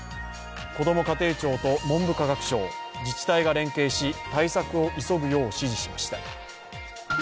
こども家庭庁と文部科学省、自治体が連携し、対策を急ぐよう指示しました。